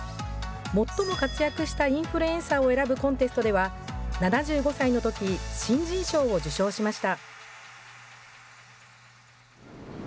最も活躍したインフルエンサーを選ぶコンテストでは、７５歳のとき、新人賞を受賞しました。